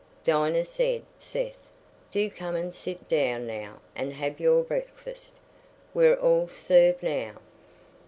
"Dinah," said Seth, "do come and sit down now and have your breakfast. We're all served now."